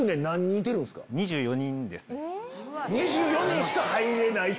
２４人しか入れない？